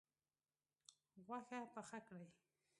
غوښه پخه کړئ